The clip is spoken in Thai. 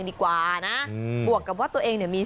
ดีกว่าน้ำบวกว่าตัวเองเนี่ย